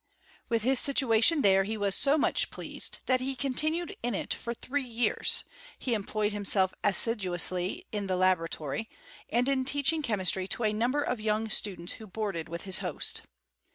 With his situation there he was so much pleased, that he continued in it for three years : he employed him f self assiduously ia the laboratory, and in teachmg chemistry to a number of young students who boarded with his host.